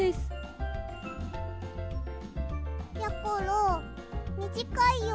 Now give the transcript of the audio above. やころみじかいよ。